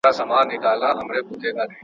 کله به رڼا سي، وايي بله ورځ ..